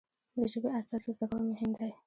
د ژبې اساس زده کول مهم دی.